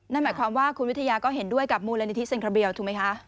นั่นหมายความว่าคุณวิทยาก็เห็นด้วยกับมูลนิธิเซ็นทรเบียลถูกไหมคะ